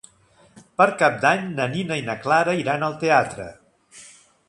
Per Cap d'Any na Nina i na Clara iran al teatre.